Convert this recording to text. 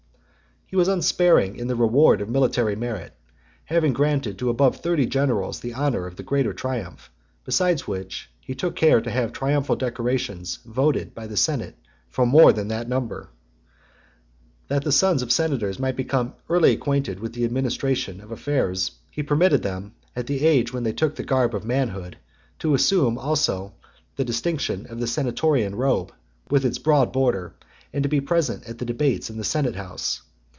XXXVIII. He was unsparing in the reward of military merit, having granted to above thirty generals the honour of the greater triumph; besides which, he took care to have triamphal decorations voted by the senate for more than that number. That the sons of senators might become early acquainted with the administration of affairs, he permitted them, at the age when they took the garb of manhood , to assume also the distinction of the senatorian robe, with its broad border, and to be present at the debates in the senate house.